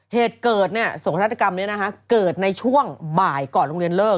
เหตุเกิดสงฆาตกรรมเกิดในช่วงบ่ายก่อนโรงเรียนเลิก